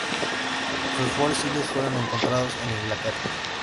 Sus fósiles fueron encontrados en Inglaterra.